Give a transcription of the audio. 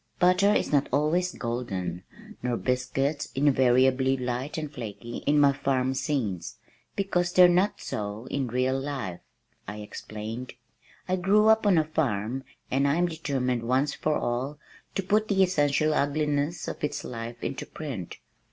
"Butter is not always golden nor biscuits invariably light and flaky in my farm scenes, because they're not so in real life," I explained. "I grew up on a farm and I am determined once for all to put the essential ugliness of its life into print.